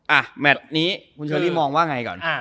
อ๋ออ่าแมทนี้คุณเชอรี่มองว่าไงก่อนอ่า